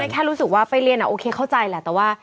แค่รู้สึกว่าไปเรียนโอเคเข้าใจแหละแต่ว่า